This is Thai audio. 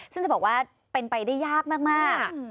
ซึ่งจะบอกว่าเป็นไปได้ยากมาก